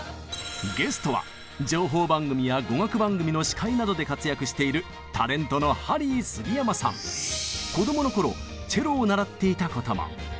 ゲストは情報番組や語学番組の司会などで活躍しているタレントの子どもの頃チェロを習っていたことも！